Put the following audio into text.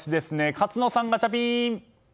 勝野さん、ガチャピン！